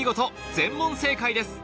全問正解です